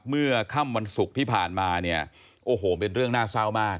เมื่อค่ำวันศุกร์ที่ผ่านมาเนี่ยโอ้โหเป็นเรื่องน่าเศร้ามาก